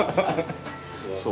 そう。